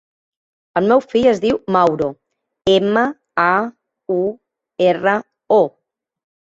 El meu fill es diu Mauro: ema, a, u, erra, o.